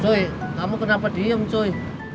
cuy kamu kenapa diem cuy